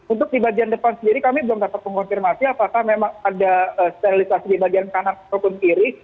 untuk di bagian depan sendiri kami belum dapat mengonfirmasi apakah memang ada sterilisasi di bagian kanan ataupun kiri